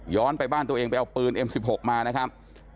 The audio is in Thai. ไปบ้านตัวเองไปเอาปืนเอ็มสิบหกมานะครับ